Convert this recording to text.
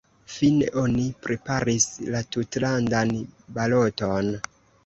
Fine oni preparis la tutlandan baloton.